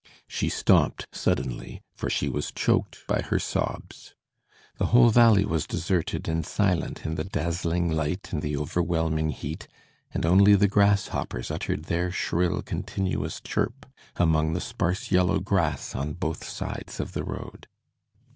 She stopped suddenly, for she was choked by her sobs. The whole valley was deserted and silent in the dazzling light and the overwhelming heat, and only the grasshoppers uttered their shrill, continuous chirp among the sparse yellow grass on both sides of the road.